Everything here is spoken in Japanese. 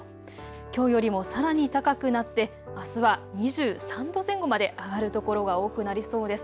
きょうよりもさらに高くなってあすは２３度前後まで上がる所が多くなりそうです。